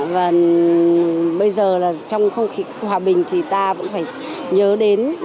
và bây giờ là trong không khí hòa bình thì ta vẫn phải nhớ đến